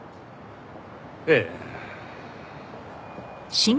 ええ。